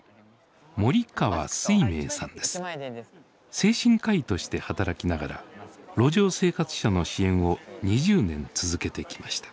精神科医として働きながら路上生活者の支援を２０年続けてきました。